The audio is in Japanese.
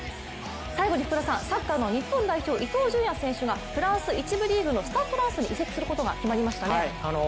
最後にサッカーの日本代表伊東純也選手がフランス１部リーグのスタッド・ランスに移籍することが決まりましたね。